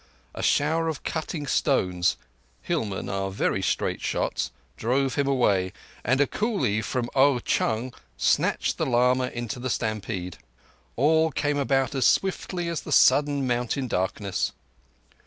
A shower of cutting stones—hillmen are very straight shots—drove him away, and a coolie from Ao chung snatched the lama into the stampede. All came about as swiftly as the sudden mountain darkness.